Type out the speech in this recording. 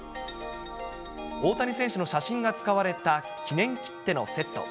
大谷選手の写真が使われた記念切手のセット。